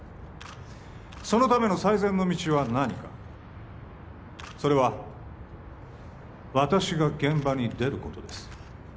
そのための最善の道は何かそれは私が現場に出ることです